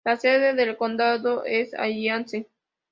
La sede del condado es Alliance.